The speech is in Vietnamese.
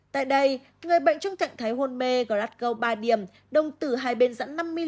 tại đây người bệnh trong trạng thái hồn mê gọi đặt gâu ba điểm đồng tử hai bên dẫn năm mm